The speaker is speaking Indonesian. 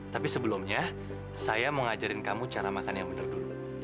tapi sebelumnya saya mau ngajarin kamu cara makan yang benar dulu